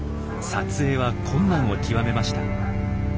撮影は困難を極めました。